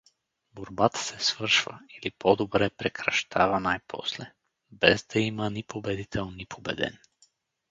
Борбата се свършва, или по-добре прекращава най-после: без да има ни победител, ни победен.